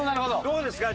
どうですか？